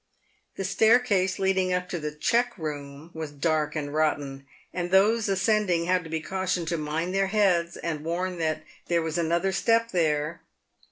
The staircase leading up to the " cheque" room was dark and rotten, and those ascending had to be cautioned to "mind their heads," and warned that "there was another step there."